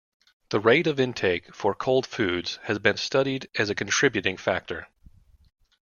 The rate of intake for cold foods has been studied as a contributing factor.